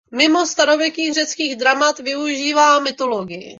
Mnoho starověkých řeckých dramat využívá mytologii.